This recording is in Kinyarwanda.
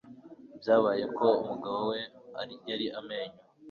Byabaye ko umugabo we yari amenyo.